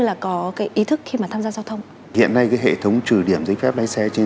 là có cái ý thức khi mà tham gia giao thông hiện nay cái hệ thống trừ điểm giấy phép lái xe trên